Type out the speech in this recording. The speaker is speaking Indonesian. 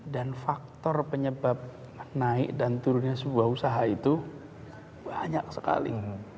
dan faktor penyebab naik dan turun sebuah usaha itu banyak sekali